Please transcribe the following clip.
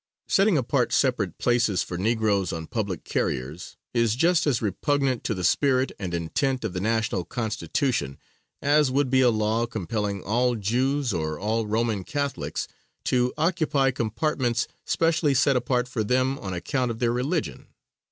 Setting apart separate places for negroes on public carriers, is just as repugnant to the spirit and intent of the national Constitution, as would be a law compelling all Jews or all Roman Catholics to occupy compartments specially set apart for them on account of their religion.